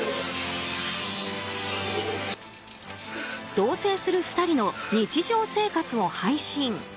同棲する２人の日常生活を配信。